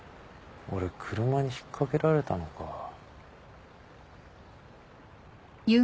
俺車にひっかけられたのか。